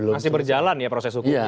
masih berjalan ya proses hukumnya